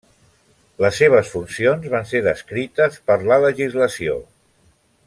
Les seves funcions van ser descrites per la legislació.